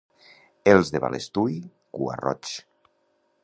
Els de Balestui, cua-roigs.